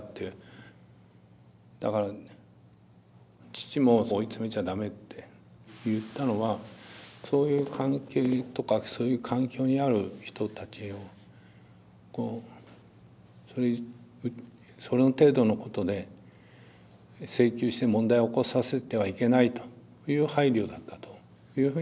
だから父も「追い詰めちゃだめ」って言ったのはそういう関係とかそういう環境にある人たちをその程度のことで請求して問題起こさせてはいけないという配慮だったというふうに思いますね。